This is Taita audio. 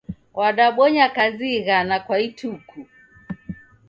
Wadabonya kazi ighana kwa ituku.